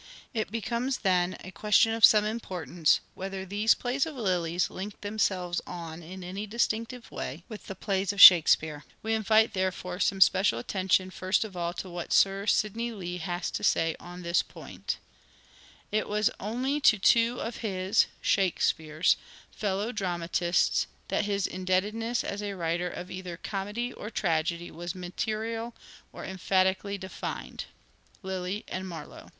It becomes, then, a question of some importance, whether these plays of Lyiy's link themselves on in any distinctive way with the plays of " Shakespeare." We invite, therefore, some special attention first of all to what Sir Sidney Lee has to say on this point :" It was only to two of his (Shakespeare's) fellow dramatists that his indebtedness as a writer of either comedy or tragedy was material or emphatically defined " (Lyly and Marlowe).